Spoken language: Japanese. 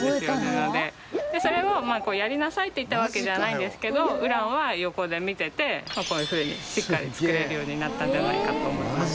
それをやりなさいと言ったわけではないんですけどウランは横で見ていてこういうふうにしっかり作れるようになったのではないかと思います。